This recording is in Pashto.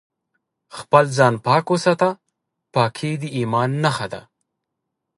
خپل ځان پاک وساته ، پاکي د ايمان نښه ده